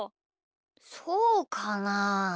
そうかな？